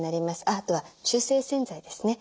あとは中性洗剤ですね。